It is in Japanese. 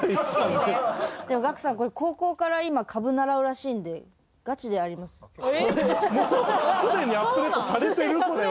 でもガクさん高校から今株習うらしいんでガチでありますよ。